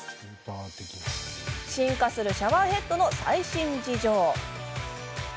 進化するシャワーヘッドの最新情報。